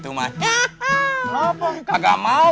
awas pak bu